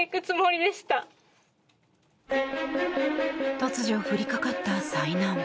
突如降りかかった災難。